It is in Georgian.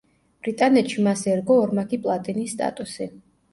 ბრიტანეთში მას ერგო ორმაგი პლატინის სტატუსი.